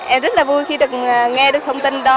em rất là vui khi được nghe được thông tin đó